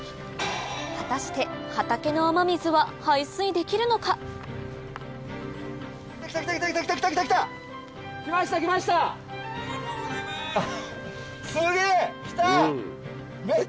果たして畑の雨水は排水できるのかすげぇ！来た！